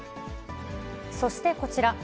そしてこちら。